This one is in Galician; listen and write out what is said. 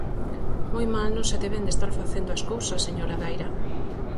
Moi mal non se deben de estar facendo as cousas, señora Daira.